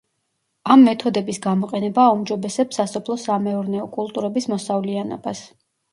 ამ მეთოდების გამოყენება აუმჯობესებს სასოფლო სამეურნეო კულტურების მოსავლიანობას.